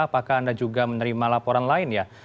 apakah anda juga menerima laporan lain ya